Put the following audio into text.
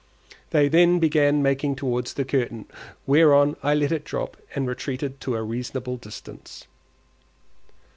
They then began making towards the curtain; whereon I let it drop and retreated to a reasonable distance.